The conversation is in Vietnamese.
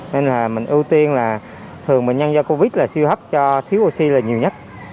nên là mình ưu tiên là thường bệnh nhân do covid là siêu hấp cho thiếu oxy là nhiều nhất